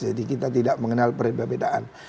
jadi kita tidak mengenal perbedaan